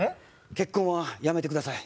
結婚はやめてください！